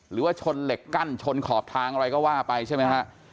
หรือว่าชนเหล็กกั้นชนขอบทางอะไรก็ว่าไปใช่ไหมฮะ